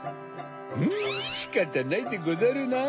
んしかたないでござるなぁ。